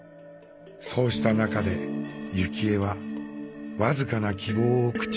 そうした中で幸恵は僅かな希望を口にします。